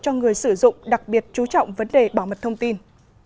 cho người sử dụng đặc biệt chú trọng vấn đề bảo mật thông tin